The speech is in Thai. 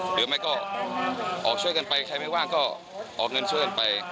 หรือไม่ก็ออกช่วยกันไปใครไม่ว่างก็ออกเงินช่วยกันไป